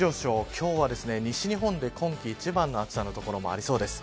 今日は西日本で今季一番の暑さの所もありそうです。